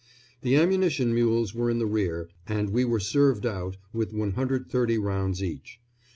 The ammunition mules were in the rear, and we were served out with 130 rounds each.